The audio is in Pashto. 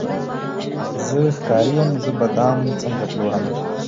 زه ښکاري یم زه به دام څنګه پلورمه